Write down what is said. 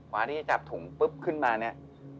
ที่จะจับถุงปุ๊บขึ้นมาเนี่ย